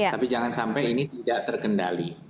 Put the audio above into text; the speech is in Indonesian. tapi jangan sampai ini tidak terkendali